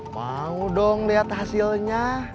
mau dong lihat hasilnya